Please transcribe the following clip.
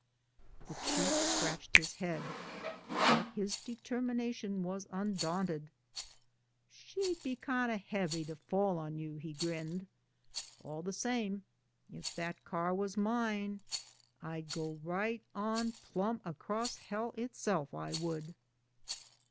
The chief scratched his head, but his determina tion was undaunted. She'd be kind of heavy to fall on you," he grinned. A11 the same, if that car was mine, I'd go right on plumb across Hell itself, I would!"